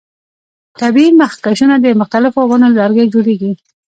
طبیعي مخکشونه د مختلفو ونو له لرګیو جوړیږي.